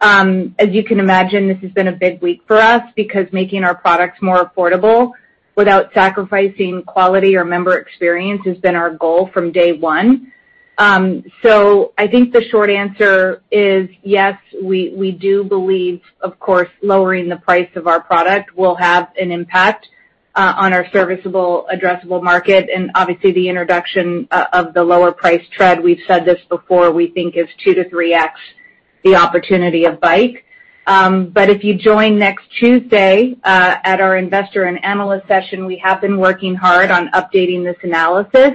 As you can imagine, this has been a big week for us because making our products more affordable without sacrificing quality or member experience has been our goal from day one. I think the short answer is yes, we do believe, of course, lowering the price of our product will have an impact on our serviceable addressable market. Obviously, the introduction of the lower price Tread, we've said this before, we think is 2 to 3x the opportunity of Bike. If you join next Tuesday at our investor and analyst session, we have been working hard on updating this analysis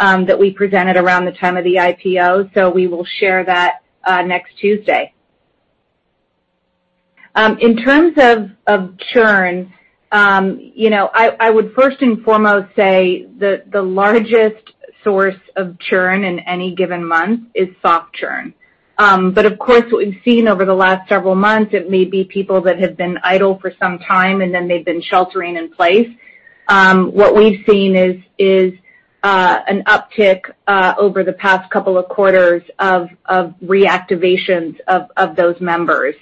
that we presented around the time of the IPO, so we will share that next Tuesday. In terms of churn, I would first and foremost say the largest source of churn in any given month is soft churn. Of course, what we've seen over the last several months, it may be people that have been idle for some time, and then they've been sheltering in place. What we've seen is an uptick over the past couple of quarters of reactivations of those members.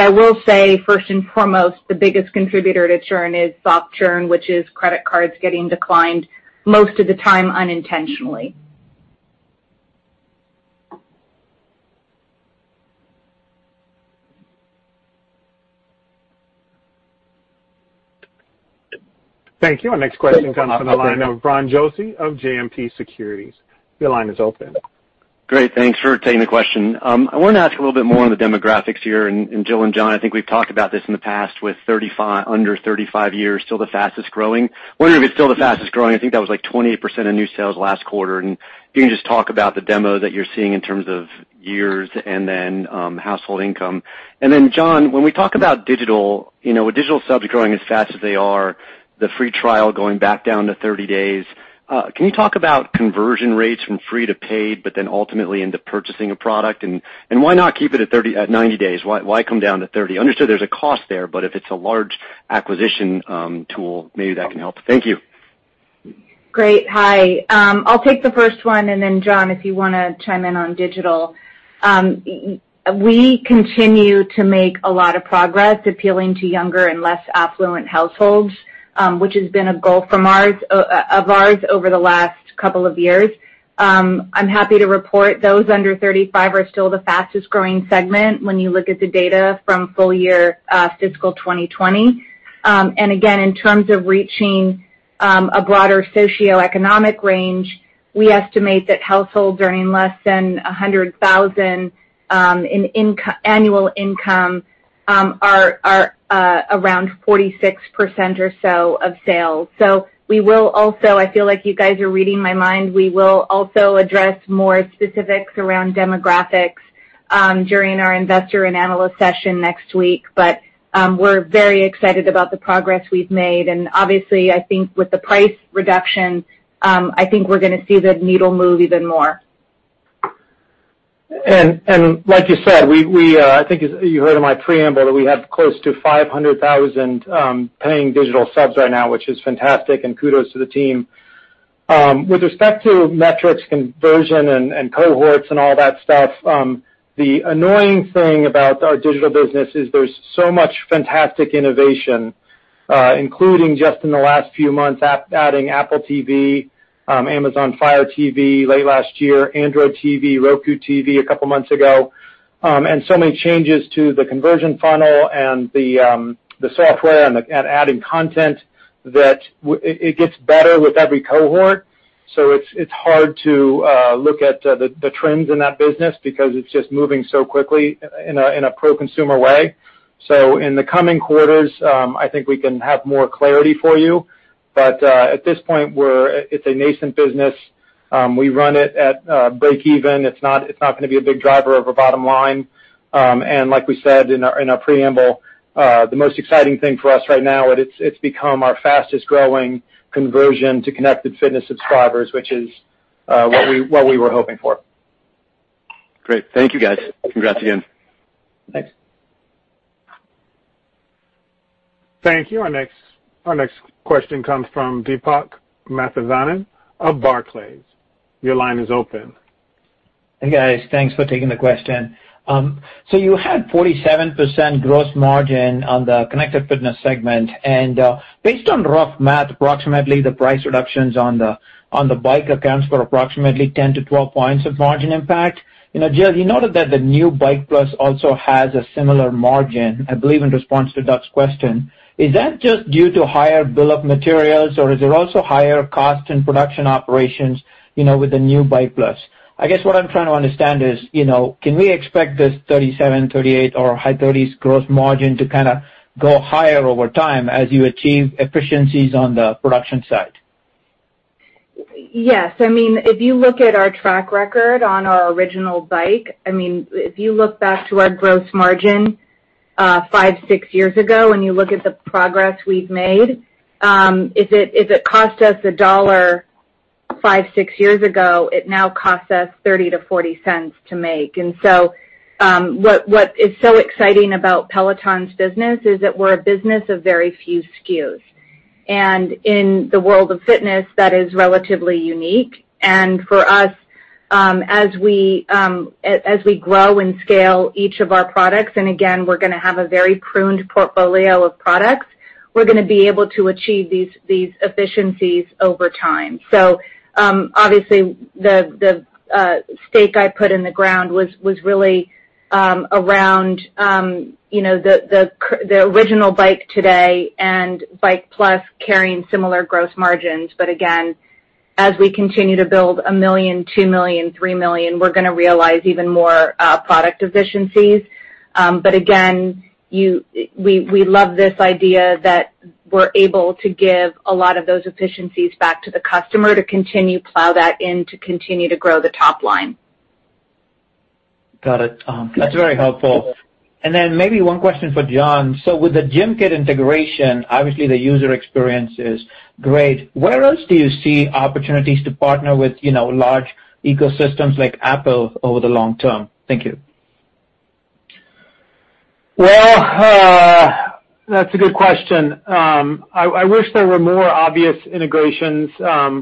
I will say, first and foremost, the biggest contributor to churn is soft churn, which is credit cards getting declined, most of the time unintentionally. Thank you. Our next question comes from the line of Ron Josey of JMP Securities. Your line is open. Great. Thanks for taking the question. I wanted to ask a little bit more on the demographics here. Jill and John, I think we've talked about this in the past with under 35 years still the fastest-growing. Wondering if it's still the fastest-growing. I think that was like 28% of new sales last quarter. Can you just talk about the demo that you're seeing in terms of years and then household income? Then, John, when we talk about digital, you know digital subs growing as fast as they are, the free trial going back down to 30 days, can you talk about conversion rates from free to paid, but then ultimately into purchasing a product? Why not keep it at 90 days? Why come down to 30? I understood there's a cost there, but if it's a large acquisition tool, maybe that can help. Thank you. Great. Hi. I'll take the first one, and then John, if you want to chime in on digital. We continue to make a lot of progress appealing to younger and less affluent households, which has been a goal of ours over the last couple of years. I'm happy to report those under 35 are still the fastest-growing segment when you look at the data from full year fiscal 2020. Again, in terms of reaching a broader socioeconomic range, we estimate that households earning less than $100,000 in annual income are around 46% or so of sales. We will also, I feel like you guys are reading my mind, we will also address more specifics around demographics during our investor and analyst session next week. We're very excited about the progress we've made. Obviously, I think with the price reduction, I think we're going to see the needle move even more. Like you said, I think you heard in my preamble that we have close to 500,000 paying digital subs right now, which is fantastic, and kudos to the team. With respect to metrics conversion and cohorts and all that stuff, the annoying thing about our Digital business is there's so much fantastic innovation, including just in the last few months, adding Apple TV, Amazon Fire TV late last year, Android TV, Roku TV a couple of months ago. So many changes to the conversion funnel and the software and adding content that it gets better with every cohort. It's hard to look at the trends in that business because it's just moving so quickly in a pro-consumer way. In the coming quarters, I think we can have more clarity for you. At this point, it's a nascent business. We run it at breakeven. It's not going to be a big driver of our bottom line. Like we said in our preamble, the most exciting thing for us right now, it's become our fastest-growing conversion to Connected Fitness subscribers, which is what we were hoping for. Great. Thank you, guys. Congrats again. Thanks. Thank you. Our next question comes from Deepak Mathivanan of Barclays. Hey, guys. Thanks for taking the question. You had 47% gross margin on the Connected Fitness segment, and based on rough math, approximately the price reductions on the bike accounts for approximately 10-12 points of margin impact. Jill, you noted that the new Bike+ also has a similar margin, I believe, in response to Doug's question. Is that just due to higher bill of materials, or is there also higher cost in production operations with the new Bike+? I guess what I'm trying to understand is, can we expect this 37%, 38%, or high 30s gross margin to kind of go higher over time as you achieve efficiencies on the production side? Yes. If you look at our track record on our Peloton Bike, if you look back to our gross margin five, six years ago, and you look at the progress we've made, if it cost us $1 five, six years ago, it now costs us $0.30 to $0.40 to make. What is so exciting about Peloton's business is that we're a business of very few SKUs. In the world of fitness, that is relatively unique. For us, as we grow and scale each of our products, and again, we're going to have a very pruned portfolio of products, we're going to be able to achieve these efficiencies over time. Obviously, the stake I put in the ground was really around the original Bike today and Bike+ carrying similar gross margins. Again, as we continue to build 1 million, 2 million, 3 million, we're going to realize even more product efficiencies. Again, we love this idea that we're able to give a lot of those efficiencies back to the customer to continue plow that in to continue to grow the top line. Got it. That's very helpful. Then maybe one question for John. With the GymKit integration, obviously the user experience is great. Where else do you see opportunities to partner with large ecosystems like Apple over the long term? Thank you. Well, that's a good question. I wish there were more obvious integrations. We're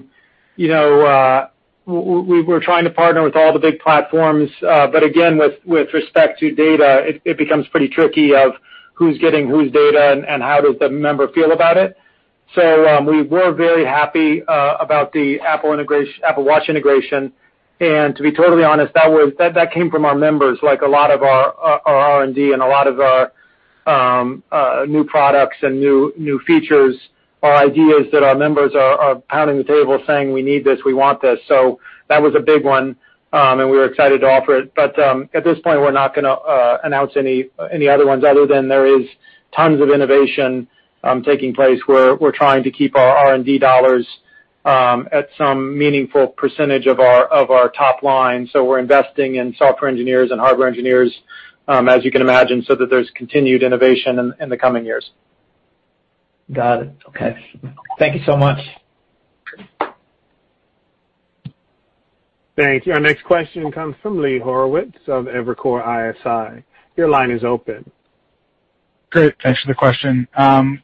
trying to partner with all the big platforms. Again, with respect to data, it becomes pretty tricky of who's getting whose data and how does the member feel about it. We were very happy about the Apple Watch integration. To be totally honest, that came from our members, like a lot of our R&D and a lot of our new products and new features are ideas that our members are pounding the table saying, "We need this, we want this." That was a big one, and we were excited to offer it. At this point, we're not going to announce any other ones other than there is tons of innovation taking place where we're trying to keep our R&D dollars at some meaningful percentage of our top line. We're investing in software engineers and hardware engineers, as you can imagine, so that there's continued innovation in the coming years. Got it. Okay. Thank you so much. Thank you. Our next question comes from Lee Horowitz of Evercore ISI. Your line is open. Great. Thanks for the question.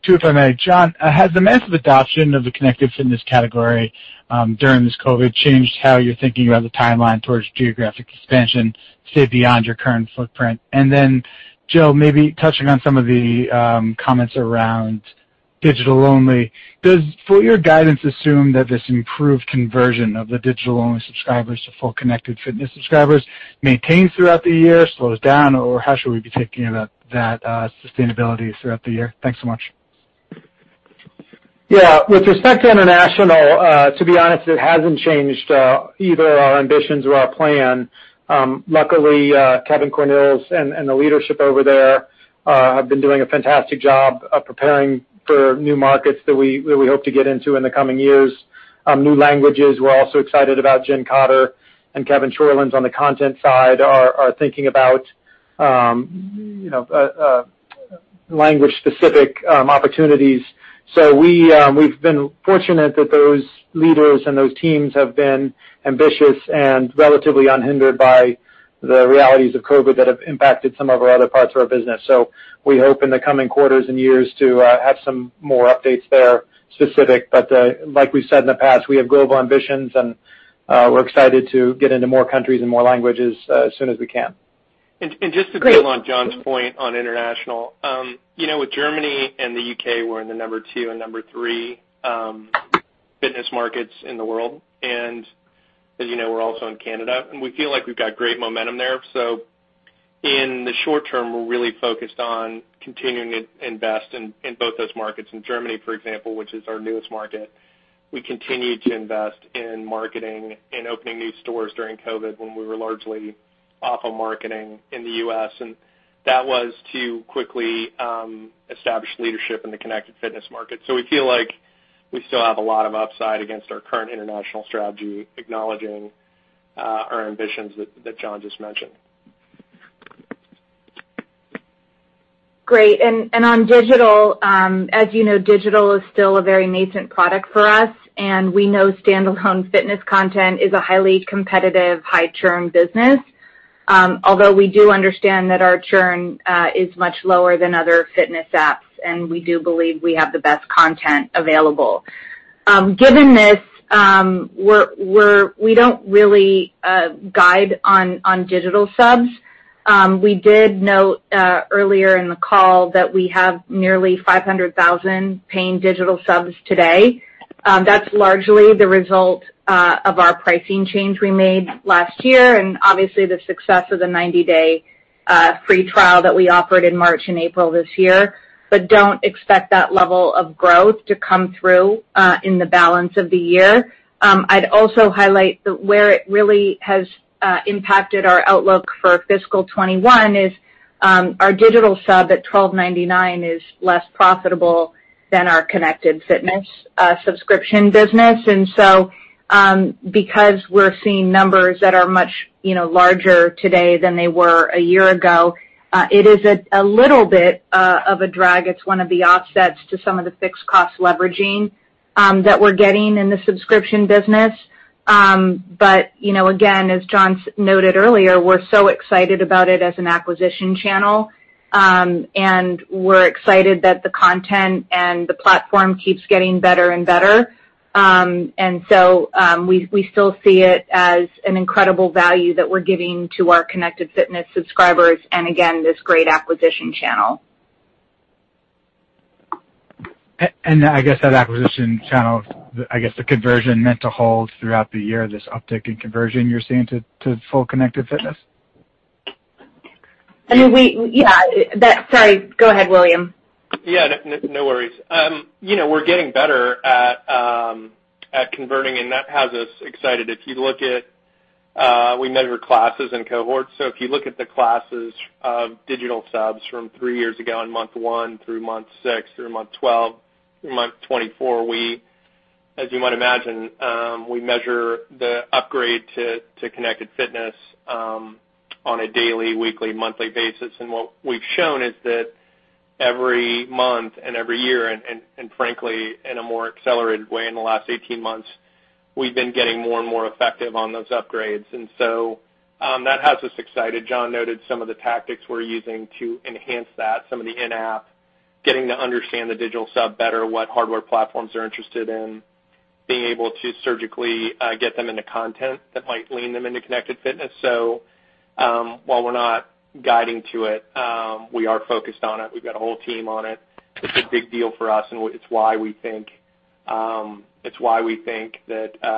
Two, if I may. John, has the massive adoption of the Connected Fitness category during this COVID changed how you're thinking about the timeline towards geographic expansion, say, beyond your current footprint? Then Jill, maybe touching on some of the comments around Digital only, does full year guidance assume that this improved conversion of the digital only subscribers to full Connected Fitness subscribers maintains throughout the year, slows down, or how should we be thinking about that sustainability throughout the year? Thanks so much. Yeah. With respect to international, to be honest, it hasn't changed either our ambitions or our plan. Luckily, Kevin Cornils and the leadership over there have been doing a fantastic job of preparing for new markets that we hope to get into in the coming years. New languages, we're also excited about Jen Cotter and Kevin Chorlins on the content side are thinking about language specific opportunities. We've been fortunate that those leaders and those teams have been ambitious and relatively unhindered by the realities of COVID that have impacted some of our other parts of our business. We hope in the coming quarters and years to have some more updates there specific, but like we've said in the past, we have global ambitions, and we're excited to get into more countries and more languages as soon as we can. Just to build on John's point on international. With Germany and the U.K., we're in the number two and number three fitness markets in the world. As you know, we're also in Canada, and we feel like we've got great momentum there. In the short term, we're really focused on continuing to invest in both those markets. In Germany, for example, which is our newest market, we continued to invest in marketing and opening new stores during COVID when we were largely off of marketing in the U.S., and that was to quickly establish leadership in the Connected Fitness market. We feel like we still have a lot of upside against our current international strategy, acknowledging our ambitions that John just mentioned. Great. On Digital, as you know, Digital is still a very nascent product for us, and we know standalone fitness content is a highly competitive, high churn business. Although we do understand that our churn is much lower than other fitness apps, and we do believe we have the best content available. Given this, we don't really guide on digital subs. We did note earlier in the call that we have nearly 500,000 paying digital subs today. That's largely the result of our pricing change we made last year, and obviously the success of the 90-day free trial that we offered in March and April this year. Don't expect that level of growth to come through in the balance of the year. I'd also highlight that where it really has impacted our outlook for fiscal 2021 is. Our Digital sub at $12.99 is less profitable than Connected Fitness Subscription business. Because we're seeing numbers that are much larger today than they were a year ago, it is a little bit of a drag. It's one of the offsets to some of the fixed cost leveraging that we're getting in the subscription business. Again, as John noted earlier, we're so excited about it as an acquisition channel. We're excited that the content and the platform keeps getting better and better. We still see it as an incredible value that we're giving to our Connected Fitness subscribers, and again, this great acquisition channel. I guess that acquisition channel, I guess the conversion meant to hold throughout the year, this uptick in conversion you're seeing to full Connected Fitness? I mean, Yeah. Sorry, go ahead, William. Yeah. No worries. We're getting better at converting, and that has us excited. If you look at, we measure classes in cohorts, so if you look at the classes of Digital subs from three years ago in month one through month six through month 12 through month 24, as you might imagine, we measure the upgrade to Connected Fitness on a daily, weekly, monthly basis. What we've shown is that every month and every year, and frankly, in a more accelerated way in the last 18 months, we've been getting more and more effective on those upgrades. That has us excited. John noted some of the tactics we're using to enhance that, some of the in-app, getting to understand the digital sub better, what hardware platforms they're interested in, being able to surgically get them into content that might lean them into Connected Fitness. While we're not guiding to it, we are focused on it. We've got a whole team on it. It's a big deal for us, and it's why we think that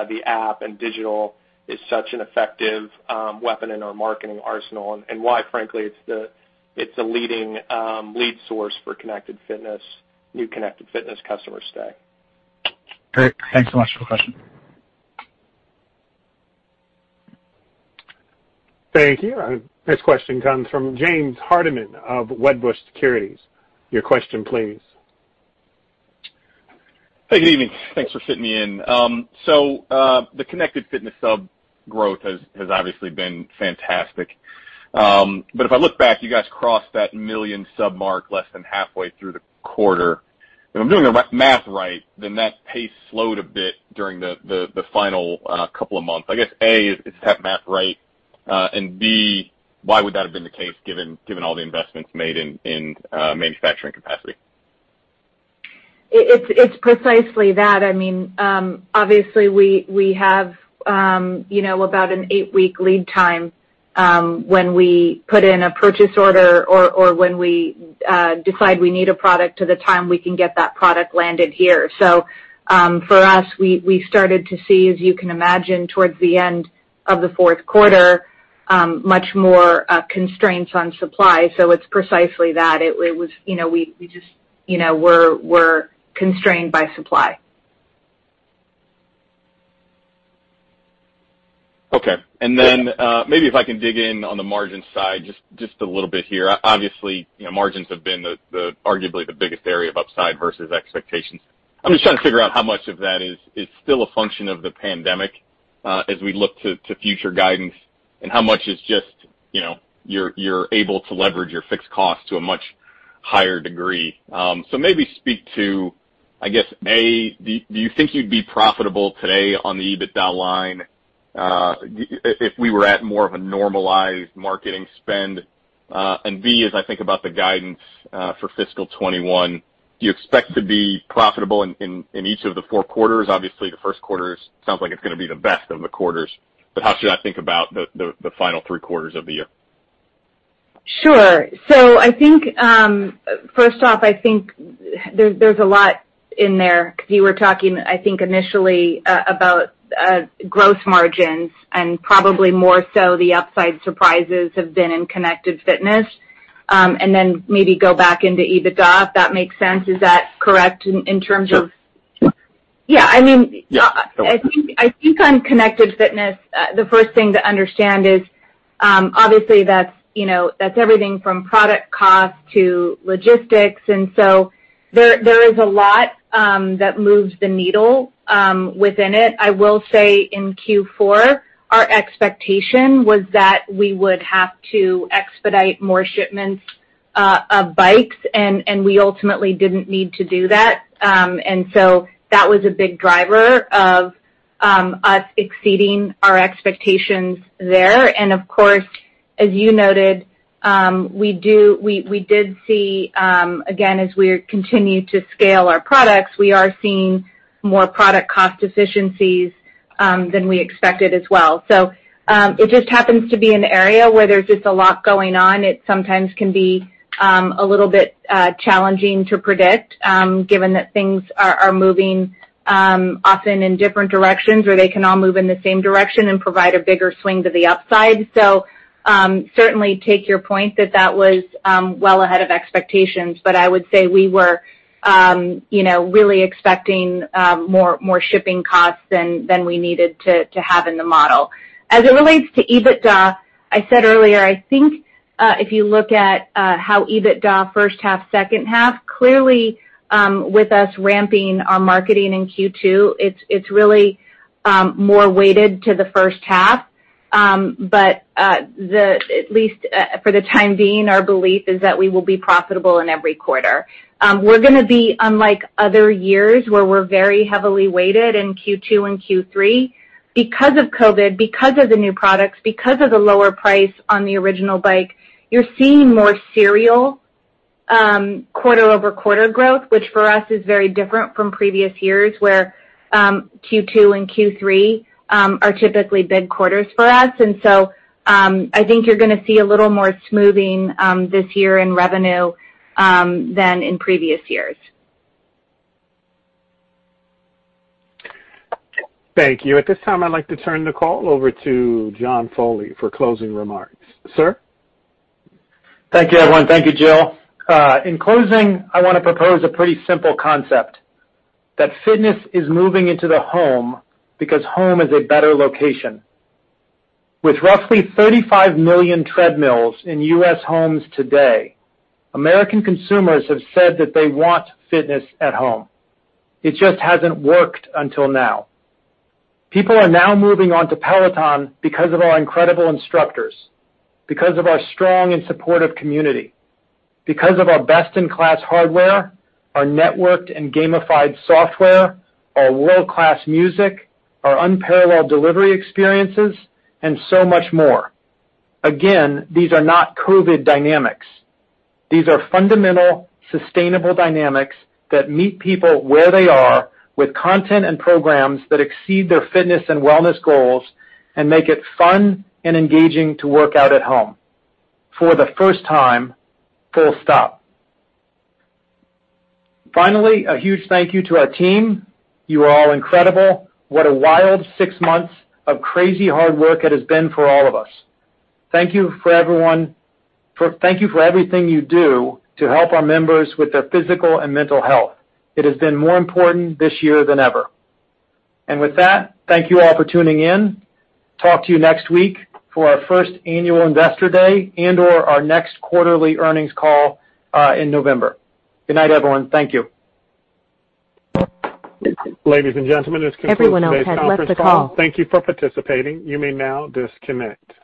the app and digital is such an effective weapon in our marketing arsenal, and why, frankly, it's the lead source for new Connected Fitness customers today. Great. Thanks so much for the question. Thank you. Our next question comes from James Hardiman of Wedbush Securities. Your question, please. Hey, good evening. Thanks for fitting me in. The Connected Fitness sub growth has obviously been fantastic. If I look back, you guys crossed that million-sub mark less than halfway through the quarter. If I'm doing the math right, that pace slowed a bit during the final couple of months. I guess, A, is that math right? B, why would that have been the case given all the investments made in manufacturing capacity? It's precisely that. Obviously, we have about an eight-week lead time, when we put in a purchase order or when we decide we need a product to the time we can get that product landed here. For us, we started to see, as you can imagine, towards the end of the fourth quarter, much more constraints on supply. It's precisely that. We just were constrained by supply. Okay. Maybe if I can dig in on the margin side just a little bit here. Obviously, margins have been arguably the biggest area of upside versus expectations. I'm just trying to figure out how much of that is still a function of the pandemic, as we look to future guidance, and how much is just you're able to leverage your fixed cost to a much higher degree. Maybe speak to, I guess, A, do you think you'd be profitable today on the EBITDA line if we were at more of a normalized marketing spend? B, as I think about the guidance for fiscal 2021, do you expect to be profitable in each of the four quarters? Obviously, the first quarter sounds like it's going to be the best of the quarters. How should I think about the final three quarters of the year? Sure. First off, I think there's a lot in there because you were talking, I think, initially about gross margins and probably more so the upside surprises have been in Connected Fitness. Then maybe go back into EBITDA, if that makes sense. Is that correct in terms of? Sure. Yeah. I mean. Yeah. I think on Connected Fitness, the first thing to understand is obviously that's everything from product cost to logistics. There is a lot that moves the needle within it. I will say in Q4, our expectation was that we would have to expedite more shipments of bikes, and we ultimately didn't need to do that. That was a big driver of us exceeding our expectations there. Of course, as you noted, we did see, again, as we continue to scale our products, we are seeing more product cost efficiencies than we expected as well. It just happens to be an area where there's just a lot going on. It sometimes can be a little bit challenging to predict, given that things are moving often in different directions, or they can all move in the same direction and provide a bigger swing to the upside. Certainly take your point that that was well ahead of expectations. I would say we were really expecting more shipping costs than we needed to have in the model. As it relates to EBITDA, I said earlier, I think if you look at how EBITDA first half, second half, clearly with us ramping our marketing in Q2, it's really more weighted to the first half. At least for the time being, our belief is that we will be profitable in every quarter. We're going to be, unlike other years, where we're very heavily weighted in Q2 and Q3. Because of COVID, because of the new products, because of the lower price on the original Bike, you're seeing more serial quarter-over-quarter growth, which for us is very different from previous years, where Q2 and Q3 are typically big quarters for us. I think you're going to see a little more smoothing this year in revenue than in previous years. Thank you. At this time, I'd like to turn the call over to John Foley for closing remarks. Sir? Thank you, everyone. Thank you, Jill. In closing, I want to propose a pretty simple concept, that fitness is moving into the home because home is a better location. With roughly 35 million treadmills in US homes today, American consumers have said that they want fitness at home. It just hasn't worked until now. People are now moving on to Peloton because of our incredible instructors, because of our strong and supportive community, because of our best-in-class hardware, our networked and gamified software, our world-class music, our unparalleled delivery experiences, and so much more. Again, these are not COVID dynamics. These are fundamental, sustainable dynamics that meet people where they are with content and programs that exceed their fitness and wellness goals and make it fun and engaging to work out at home for the first time, full stop. Finally, a huge thank you to our team. You are all incredible. What a wild six months of crazy hard work it has been for all of us. Thank you for everything you do to help our members with their physical and mental health. It has been more important this year than ever. With that, thank you all for tuning in. Talk to you next week for our first annual investor day and/or our next quarterly earnings call in November. Good night, everyone. Thank you. Ladies and gentlemen, this concludes today's conference call. Thank you for participating. You may now disconnect.